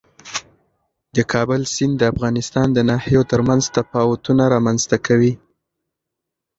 د کابل سیند د افغانستان د ناحیو ترمنځ تفاوتونه رامنځته کوي.